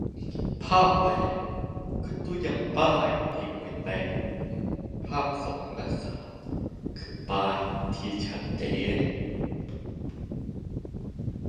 ภาพแรก คือตัวอย่างป้ายที่ห่วยแตก ภาพสอง-สาม คือป้ายที่ชัดเจน